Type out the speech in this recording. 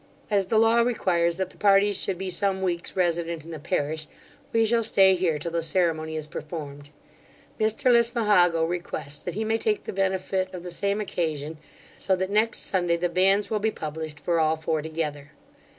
As the law requires that the parties should be some weeks resident in the parish, we shall stay here till the ceremony is performed. Mr Lismahago requests that he may take the benefit of the same occasion; so that next Sunday the banns will be published for all four together.